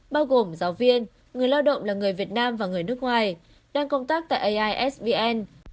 bao gồm giáo viên người lao động là người việt nam và người nước ngoài đang công tác tại aisvn